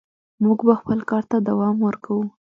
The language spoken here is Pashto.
موږ به خپل کار ته دوام ورکوو.